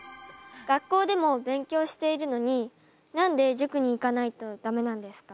学校でも勉強しているのに何で塾に行かないと駄目なんですか？